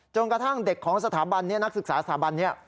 กระทั่งเด็กของสถาบันนี้นักศึกษาสถาบันนี้